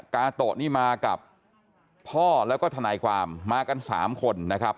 กาโตะนี่มากับพ่อแล้วก็ทนายความมากัน๓คนนะครับ